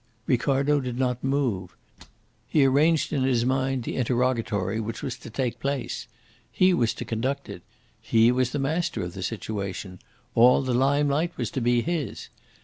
Ricardo did not move. He arranged in his mind the interrogatory which was to take place. He was to conduct it. He was the master of the situation. All the limelight was to be his.